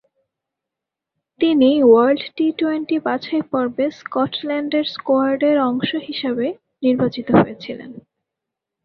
তিনি world T twenty বাছাইপর্বে স্কটল্যান্ডের স্কোয়াডের অংশ হিসাবে নির্বাচিত হয়েছিলেন।